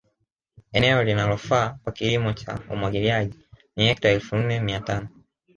Eneo linalofaa kwa kilimo cha Umwagiliaji ni hekta elfu nne mia tano